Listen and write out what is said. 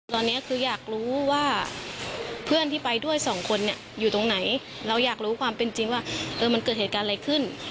ตอนนี้คืออยากรู้ว่าเพื่อนที่ไปด้วยสองคนเนี่ยอยู่ตรงไหนเราอยากรู้ความเป็นจริงว่ามันเกิดเหตุการณ์อะไรขึ้น